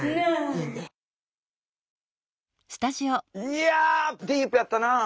いやディープやったなあ。